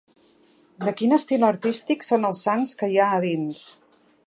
De quin estil artístic són els sants que hi ha a dins?